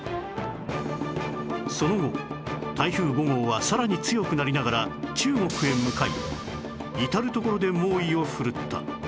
その後台風５号はさらに強くなりながら中国へ向かい至る所で猛威を振るった